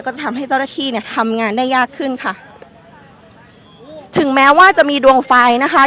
จะทำให้เจ้าหน้าที่เนี่ยทำงานได้ยากขึ้นค่ะถึงแม้ว่าจะมีดวงไฟนะคะ